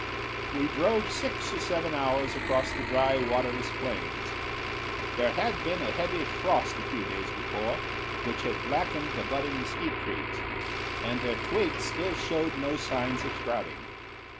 We drove six or seven hours across the dry, waterless plains. There had been a heavy frost a few days before, which had blackened the budding mesquite trees, and their twigs still showed no signs of sprouting.